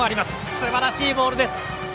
すばらしいボールです。